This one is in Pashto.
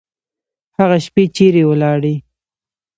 هغه شپې چیري ولاړې؟